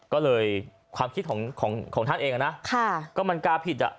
ก็เลยความคิดของของท่านเองนะก็มันกาผิดอ่ะ